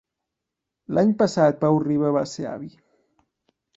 L'any passat Pau Riba va ser avi.